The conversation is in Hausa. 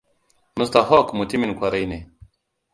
Mr Hawk mutumin ƙwarai ne.